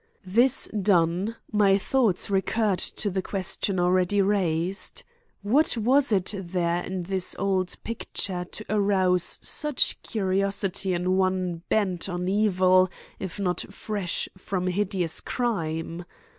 This done, my thoughts recurred to the question already raised. What was there in this old picture to arouse such curiosity in one bent on evil if not fresh from a hideous crime?